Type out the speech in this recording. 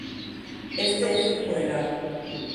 Este es su funeral.